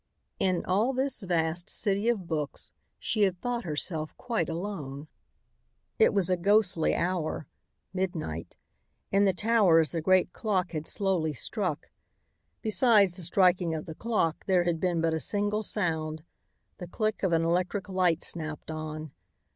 In all this vast "city of books" she had thought herself quite alone. It was a ghostly hour. Midnight. In the towers the great clock had slowly struck. Besides the striking of the clock there had been but a single sound: the click of an electric light snapped on.